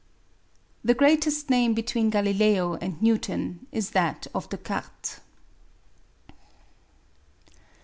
The greatest name between Galileo and Newton is that of Descartes.